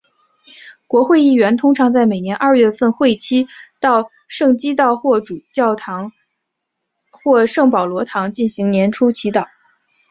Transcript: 国会议员通常在每年二月份会期到圣基道霍主教座堂或圣保罗堂进行年初祈祷。